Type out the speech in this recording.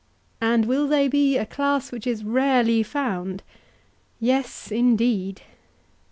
And will they be a class which is rarely found? Yes, indeed.